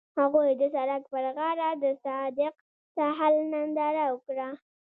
هغوی د سړک پر غاړه د صادق ساحل ننداره وکړه.